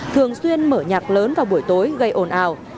thường xuyên mở nhạc lớn vào buổi tối gây ồn ào